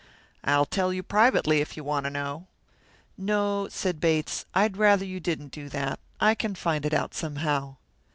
I'll tell you privately, if you want to know." "No," said Bates, "I'd rather you didn't do that; I can find it out somehow."